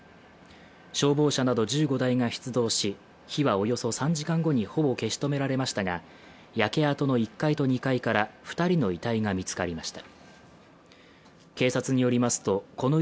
消防車など１５台が出動し火はおよそ３時間後にほぼ消し止められましたが、焼け跡の１階と２階から２人の遺体が見つかりました。